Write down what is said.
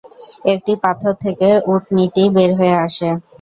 একটি পাথর থেকে উটনীটি বের হয়ে আসে।